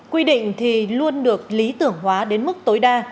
quy định thì luôn được lý tưởng hóa đến mức tối đa